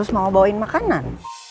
mau bawain makanan